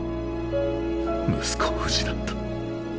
息子を失った。